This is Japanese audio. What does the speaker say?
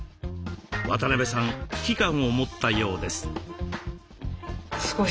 渡邊さん危機感を持ったようです。